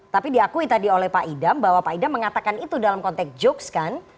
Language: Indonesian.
tapi diakui tadi oleh pak idam bahwa pak idam mengatakan itu dalam konteks jokes kan